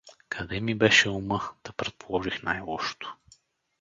Къде ми беше ума, та предположих най-лошото.